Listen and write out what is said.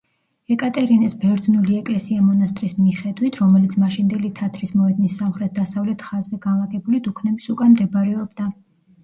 ეკატერინეს ბერძნული ეკლესია-მონასტრის მიხედვით, რომელიც მაშინდელი თათრის მოედნის სამხრეთ-დასავლეთ ხაზზე განლაგებული დუქნების უკან მდებარეობდა.